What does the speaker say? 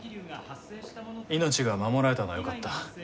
命が守られたのはよかった。